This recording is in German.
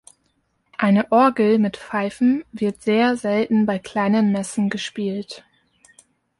Eine Orgel mit Pfeifen wird sehr selten bei kleinen Messen gespielt.